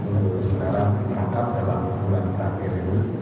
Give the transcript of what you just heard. saudara imar nakrawi dalam sebulan terakhir ini